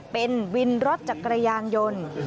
เป็นวินรถจักรยานยนต์